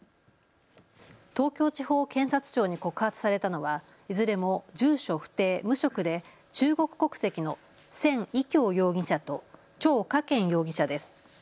東京地方検察庁に告発されたのはいずれも住所不定、無職で中国国籍のせん偉強容疑者と趙家健容疑者です。